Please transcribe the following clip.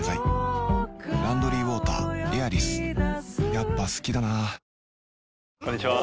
やっぱ好きだなこんにちは。